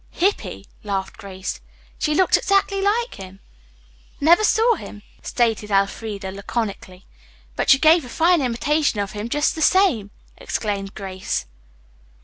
"Hippy," laughed Grace. "She looked exactly like him." "Never saw him," stated Elfreda laconically. "But you gave a fine imitation of him just the same!" exclaimed Grace.